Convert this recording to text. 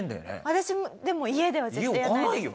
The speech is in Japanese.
私もでも家では絶対やらないです。